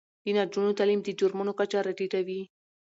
د نجونو تعلیم د جرمونو کچه راټیټوي.